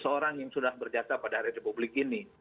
seorang yang sudah berjasa pada hari republik ini